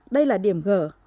đây là điểm gở